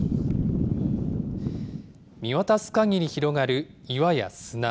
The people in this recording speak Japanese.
見渡すかぎり広がる岩や砂。